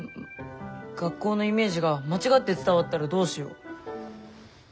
学校のイメージが間違って伝わったらどうしよう。